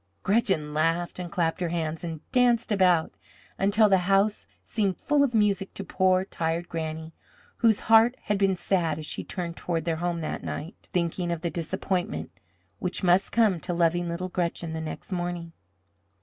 Gretchen laughed and clapped her hands and danced about until the house seemed full of music to poor, tired Granny, whose heart had been sad as she turned toward their home that night, thinking of the disappointment which must come to loving little Gretchen the next morning.